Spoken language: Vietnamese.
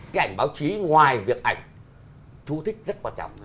cái ảnh báo chí ngoài việc ảnh chú thích rất quan trọng